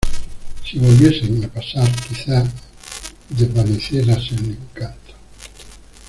si volviesen a pasar, quizá desvaneceríase el encanto.